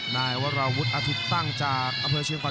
นายวราวุฒิอธิตตั้งจากอเผลอเชียงฝัน